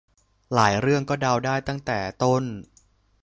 หลายเรื่องก็เดาได้ตั้งแต่ต้น